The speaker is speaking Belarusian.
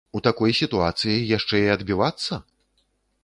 У такой сітуацыі яшчэ і адбівацца?